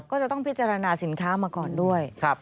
ก็จะต้องพิจารณาสินค้ามาก่อนด้วย